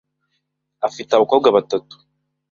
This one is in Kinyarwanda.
Afite abakobwa batatu .